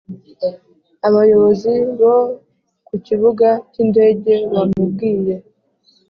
abayobozi bo ku kibuga cyindege bamubwiye